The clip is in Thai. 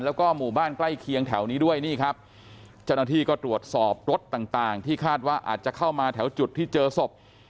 แล้วก็หมู่บ้านใกล้เคียงแถวนี้ด้วยนี่ครับเจ้าหน้าที่ก็ตรวจสอบรถต่างต่างที่คาดว่าอาจจะเข้ามาแถวจุดที่เจอศพ